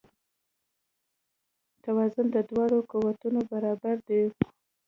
توازن د دواړو قوتونو برابري ده.